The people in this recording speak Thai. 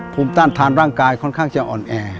ภูมิต้านทานร่างกายค่อนข้างจะอ่อนแอ